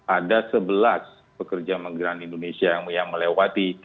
ada sebelas pekerja migran indonesia yang melewati